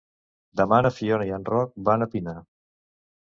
Demà na Fiona i en Roc van a Pina.